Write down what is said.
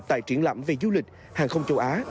tại triển lãm về du lịch hàng không châu á